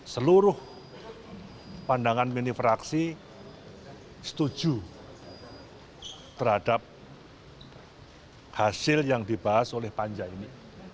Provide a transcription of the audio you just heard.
seluruh pandangan mini fraksi setuju terhadap hasil yang dibahas oleh panja ini